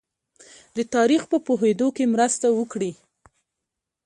د تاریخ په پوهېدو کې مرسته وکړي.